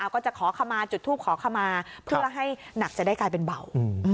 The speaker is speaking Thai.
ก็จะขอขมาจุดทูปขอขมาเพื่อให้หนักจะได้กลายเป็นเบา